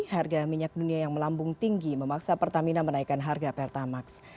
harga minyak dunia yang melambung tinggi memaksa pertamina menaikkan harga pertamax